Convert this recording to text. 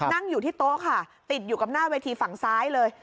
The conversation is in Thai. นั่งอยู่ที่โต๊ะค่ะติดอยู่กับหน้าเวทีฝั่งซ้ายเลย